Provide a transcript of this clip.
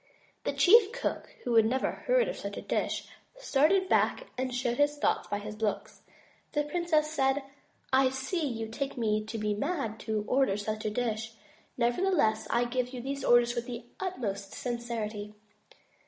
The chief cook who had never heard of such a dish started back and showed his thoughts by his looks. The prin cess said, "I see you take me to be mad to order such a dish, nevertheless I give you these orders with the utmost sincerity."